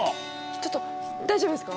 ちょっと大丈夫ですか？